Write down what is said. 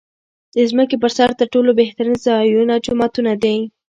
د ځمکې پر سر تر ټولو بهترین ځایونه جوماتونه دی .